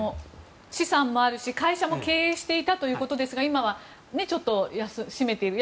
資産もあるし、会社も経営していたということですが今は閉めている。